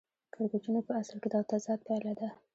کړکېچونه په اصل کې د تضاد پایله ده